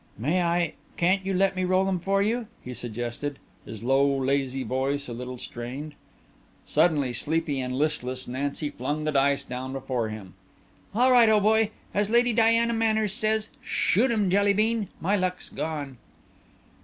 "May I can't you let me roll 'em for you?" he suggested, his low, lazy voice a little strained. Suddenly sleepy and listless, Nancy flung the dice down before him. "All right old boy! As Lady Diana Manners says, 'Shoot 'em, Jelly bean' My luck's gone."